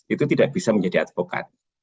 itu tidak bisa menjadi advokat